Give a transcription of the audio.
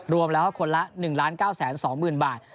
รวมแล้วคนละ๑๙๒๐๐๐บาท